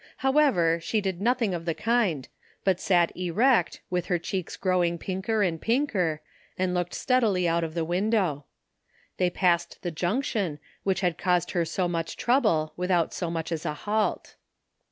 However, she did nothing of the kind, but sat erect, with her cheeks growing pinker and pinker, and looked steadily out of the win dow. They passed the Junction, which had caused her so much trouble, without so much as a halt.